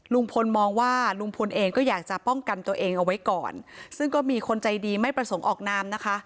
ลุงพลมองว่าลุงพลเองก็อยากจะป้องกันตัวเองเอาไว้ก่อนซึ่งก็มีคนใจดีไม่ประสงค์ออกนามนะคะ